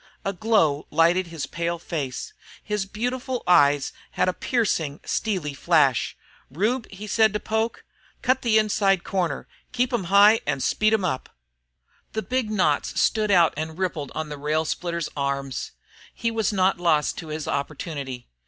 A glow lighted his pale face; his beautiful eyes had a piercing, steely flash. "Rube," he said to Poke, "cut the inside corner. Keep 'em high an' speed em up!" The big knots stood out and rippled on the rail splitter's arms. He was not lost to his opportunity.